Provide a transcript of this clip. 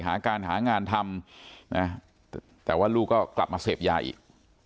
หาการหางานทำนะแต่ว่าลูกก็กลับมาเสพยาอีก